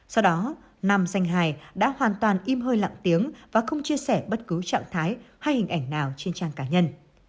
sau đó nam danh hài đã hoàn toàn im hơi lặng tiếng và không chia sẻ bất cứ trạng thái hay hình ảnh nào trên trang cá nhân